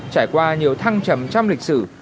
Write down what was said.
trải qua nhiều thăng trầm trong lịch sử